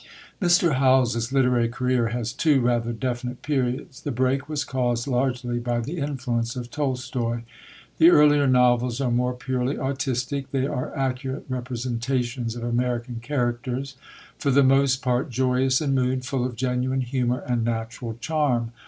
Mr. Howells's literary career has two rather definite periods. The break was caused largely by the influence of Tolstoi. The earlier novels are more purely artistic; they are accurate representations of American characters, for the most part joyous in mood, full of genuine humour, and natural charm.